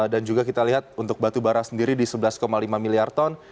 dan juga kita lihat untuk batu bara sendiri di sebelas lima miliar ton